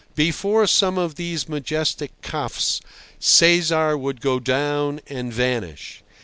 Before some of these majestic cuffs Cesar would go down and vanish.